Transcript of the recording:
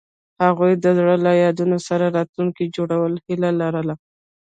هغوی د زړه له یادونو سره راتلونکی جوړولو هیله لرله.